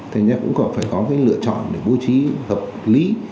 thì cũng có phải có cái lựa chọn để bố trí hợp lý